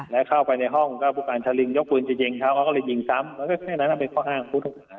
แล้วเข้าไปในห้องก็ผู้การทาริงยกปืนเจ็ดเย็นเดียวเขาก็เลยยิงซ้ำตั้งแต่คือนั้นเป็นข้ออ้างว่า